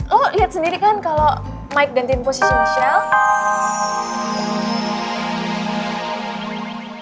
lo liat sendiri kan kalo mic dan tim posisi michelle